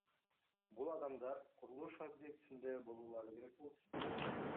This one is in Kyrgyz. Бул адамдар курулуш объектисинде болуулары керек болчу.